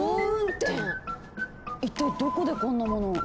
一体どこでこんなものを？